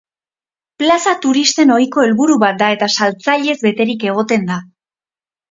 Plaza turisten ohiko helburu bat da eta saltzailez beterik egoten da.